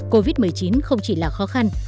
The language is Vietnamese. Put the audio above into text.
covid một mươi chín không chỉ là khó khăn